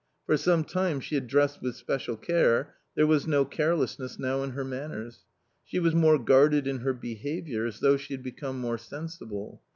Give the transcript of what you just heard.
For some time she had dressed with special care, there was no carelessness now in her manners. She was more guarded in her behaviour, as though she had become more sensible.